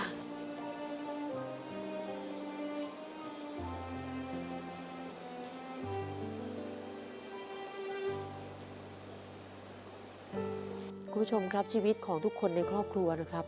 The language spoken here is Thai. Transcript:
คุณผู้ชมครับชีวิตของทุกคนในครอบครัวนะครับ